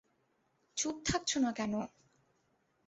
চুপ থাকছো না কেন?